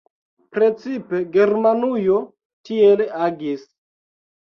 Precipe Germanujo tiel agis.